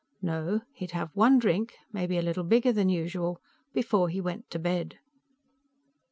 No; he'd have one drink, maybe a little bigger than usual, before he went to bed.